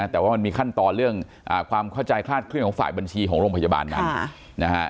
แต่ว่ามันมีขั้นตอนเรื่องความเข้าใจคลาดเคลื่อนของฝ่ายบัญชีของโรงพยาบาลนั้นนะฮะ